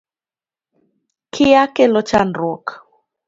Kia kelo chandruok